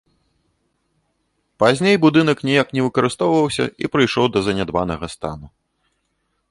Пазней будынак ніяк не выкарыстоўваўся і прыйшоў да занядбанага стану.